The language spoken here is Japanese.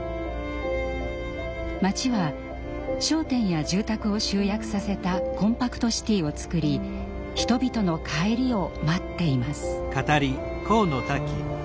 町は商店や住宅を集約させたコンパクトシティをつくり人々の帰りを待っています。